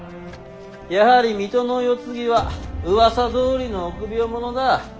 やはり水戸の世継ぎは噂どおりの臆病者だ。